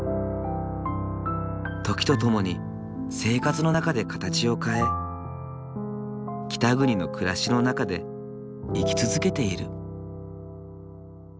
時と共に生活の中で形を変え北国の暮らしの中で生き続けている。